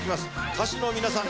歌手の皆さん